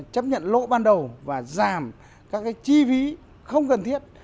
chấp nhận lỗ ban đầu và giảm các chi phí không cần thiết